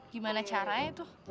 gimana caranya tuh